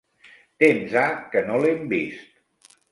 Temps ha que no l'hem vist.